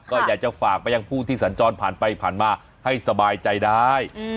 ก็อยากจะฝากไปยังผู้ที่สัญจรผ่านไปผ่านมาให้สบายใจได้